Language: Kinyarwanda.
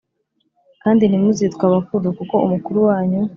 Kandi ntimuzitwe abakuru kuko umukuru wanyu